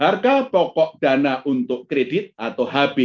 harga pokok dana untuk kredit menjadi pendorong utama penurunan sbdk